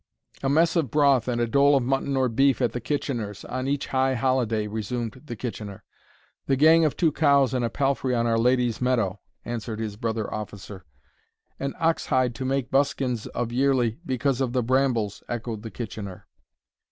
"A mess of broth and a dole of mutton or beef, at the Kitchener's, on each high holiday," resumed the Kitchener. "The gang of two cows and a palfrey on our Lady's meadow." answered his brother officer. "An ox hide to make buskins of yearly, because of the brambles," echoed the Kitchener.